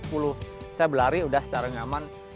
saya berlari sudah secara nyaman